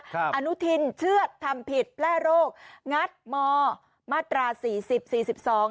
อนุทินเชื่อดทำผิดแพร่โรคงัดมมาตราสี่สิบสี่สิบสอง